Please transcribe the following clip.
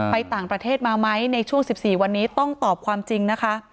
ไปต่างประเทศมาไหมในช่วง๑๔วันนี้ต้องตอบความจริงนะคะ